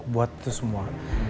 buat itu semua